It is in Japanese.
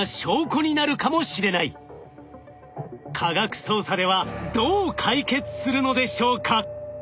科学捜査ではどう解決するのでしょうか？